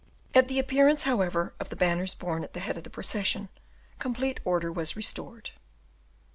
At the appearance, however, of the banners borne at the head of the procession, complete order was restored.